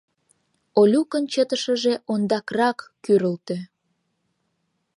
Олюкын чытышыже ондакрак кӱрылтӧ.